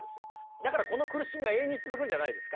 だからこの苦しみは永遠に続くんじゃないですか？